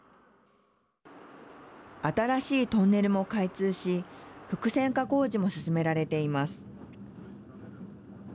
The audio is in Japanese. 新しいトンネルも開通し複線化工事も進められています。